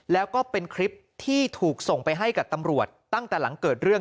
แล้วก็เป็นคลิปที่ถูกส่งไปให้กับตำรวจตั้งแต่หลังเกิดเรื่อง